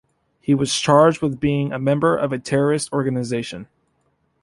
He was charged with being a member of a terrorist organisation.